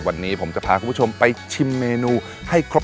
วันนี้ผมจะพาคุณผู้ชมไปชิมเมนูให้ครบ